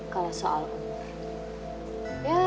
kalau soal umur